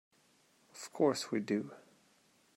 Of course we do.